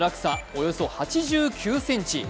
およそ８９ｃｍ。